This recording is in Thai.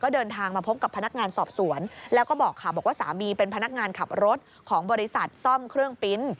เดินทางมาพบกับพนักงานสอบสวนแล้วก็บอกค่ะบอกว่าสามีเป็นพนักงานขับรถของบริษัทซ่อมเครื่องปิ๊นต์